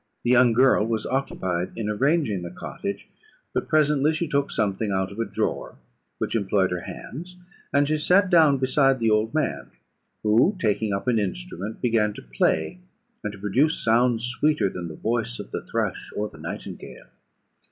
The young girl was occupied in arranging the cottage; but presently she took something out of a drawer, which employed her hands, and she sat down beside the old man, who, taking up an instrument, began to play, and to produce sounds sweeter than the voice of the thrush or the nightingale.